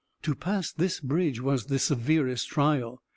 To pass this bridge was the severest trial.